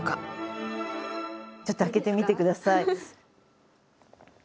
ちょっと開けてみてください。